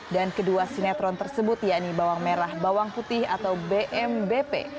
dan kedua sinetron tersebut yakni bawang merah bawang putih atau bmbp